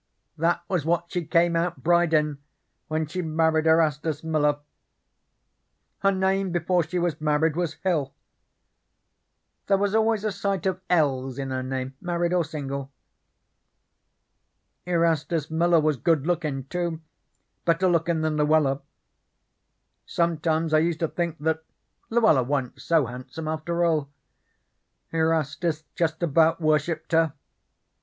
That was what she came out bride in when she married Erastus Miller. Her name before she was married was Hill. There was always a sight of "l's" in her name, married or single. Erastus Miller was good lookin', too, better lookin' than Luella. Sometimes I used to think that Luella wa'n't so handsome after all. Erastus just about worshiped her.